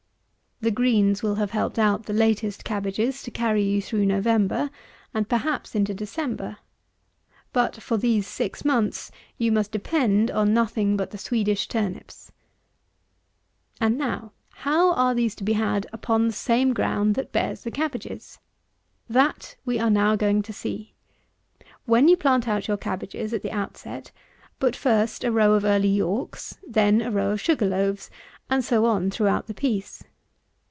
The greens will have helped put the latest cabbages to carry you through November, and perhaps into December. But for these six months, you must depend on nothing but the Swedish turnips. 124. And now, how are these to be had upon the same ground that bears the cabbages? That we are now going to see. When you plant out your cabbages at the out set, put first a row of Early Yorks, then a row of Sugar loaves, and so on throughout the piece.